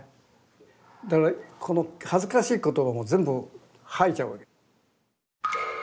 だからこの恥ずかしい言葉も全部吐いちゃうわけ。